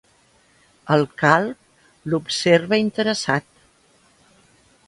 El calb l'observa, interessat.